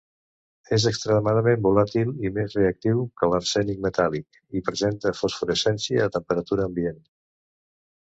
És extremadament volàtil i més reactiu que l'arsènic metàl·lic i presenta fosforescència a temperatura ambient.